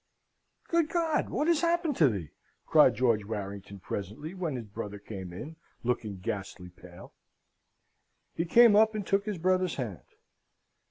"Good God! what has happened to thee?" cried George Warrington, presently, when his brother came in, looking ghastly pale. He came up and took his brother's hand.